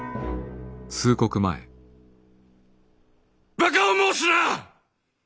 バカを申すな！